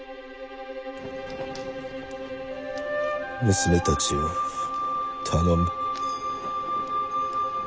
「娘たちを頼む」。